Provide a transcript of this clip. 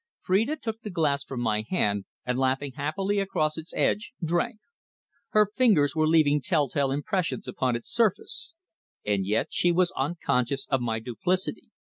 Phrida took the glass from my hand, and laughing happily across its edge, drank. Her fingers were leaving tell tale impressions upon its surface. And yet she was unconscious of my duplicity.